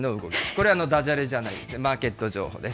これ、だじゃれじゃないです、マーケット情報です。